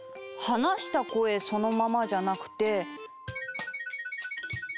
「話した声そのままじゃなくて」。